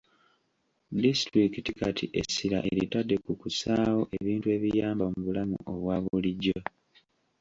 Disitulikiti kati essira eritadde ku kussaawo ebintu ebiyamba mu bulamu obwa bulijjo.